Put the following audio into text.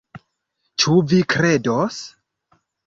Ĉu vi kredos?